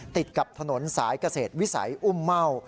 ติดกับถนนสายเกษตรวิสัยอุ้มเม่า